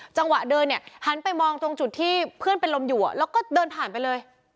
จังหวะเดินเนี่ยหันไปมองตรงจุดที่เพื่อนเป็นลมอยู่แล้วก็เดินผ่านไปเลย